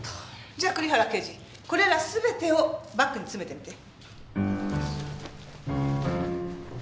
じゃ栗原刑事これらすべてをバッグに詰めてみて。